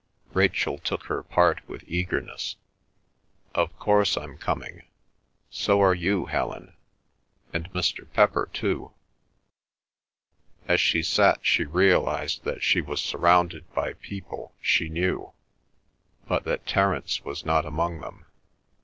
Rachel took her part with eagerness. "Of course I'm coming. So are you, Helen. And Mr. Pepper too." As she sat she realised that she was surrounded by people she knew, but that Terence was not among them.